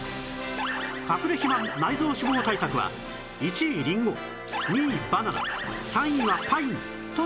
かくれ肥満・内臓脂肪対策は１位りんご２位バナナ３位はパインという結果に